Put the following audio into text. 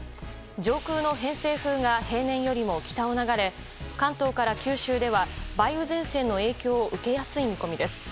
上空の偏西風が平年よりも北を流れ関東から九州では梅雨前線の影響を受けやすい見込みです。